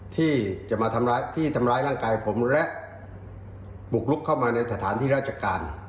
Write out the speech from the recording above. ที่จะมาทำร้ายที่ทำร้ายร่างกายผมและบุกลุกเข้ามาในสถานที่ราชการ